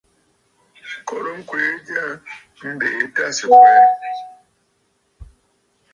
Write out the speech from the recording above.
Korə ŋkwee jya, mbèʼe tâ sɨ̀ kwɛɛ.